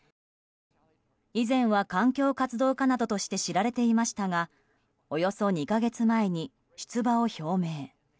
以前は環境活動家などとして知られていましたがおよそ２か月前に出馬を表明。